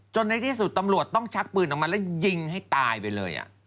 ในที่สุดตำรวจต้องชักปืนออกมาแล้วยิงให้ตายไปเลย